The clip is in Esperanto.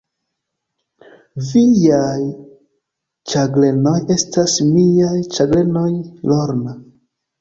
Viaj ĉagrenoj estas miaj ĉagrenoj, Lorna.